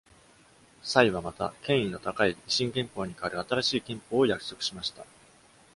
崔はまた、権威の高い維新憲法に代わる新しい憲法を約束しました。